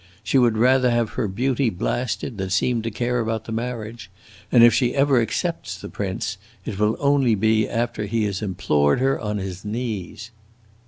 She would rather have her beauty blasted than seem to care about the marriage, and if she ever accepts the prince it will be only after he has implored her on his knees!"